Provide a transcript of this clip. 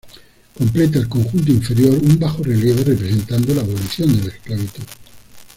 Completa el conjunto inferior un bajorrelieve representando la abolición de la esclavitud.